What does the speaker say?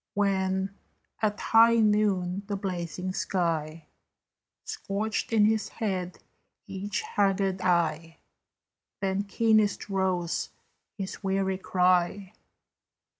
When, at high Noon, the blazing sky Scorched in his head each haggard eye, Then keenest rose his weary cry.